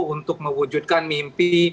untuk mewujudkan mimpi